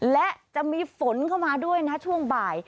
และจะมีฝนเข้ามาด้วยนะช่วงบ่าย